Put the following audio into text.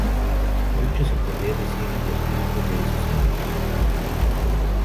Mucho se podrá decir de los grupos de esos años.